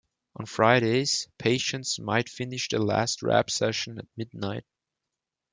On Fridays, patients might finish their last rap session at midnight.